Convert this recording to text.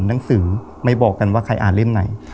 หนังสือไม่บอกกันว่าใครอ่านเล่มไหน